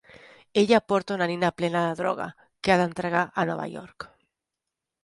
Ella porta una nina plena de droga, que ha d'entregar a Nova York.